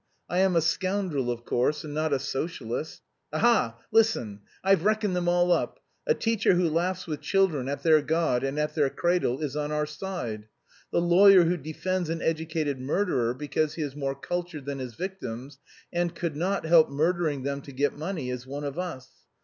I am a scoundrel, of course, and not a socialist. Ha ha! Listen. I've reckoned them all up: a teacher who laughs with children at their God and at their cradle is on our side. The lawyer who defends an educated murderer because he is more cultured than his victims and could not help murdering them to get money is one of us.